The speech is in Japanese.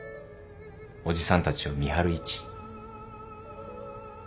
おじさんたちを見張る位置。